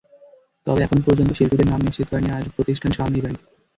তবে এখন পর্যন্ত শিল্পীদের নাম নিশ্চিত করেনি আয়োজক প্রতিষ্ঠান সান ইভেন্টস।